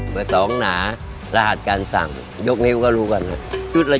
สองหนารหัสการสั่งยกนิ้วก็รู้กันครับ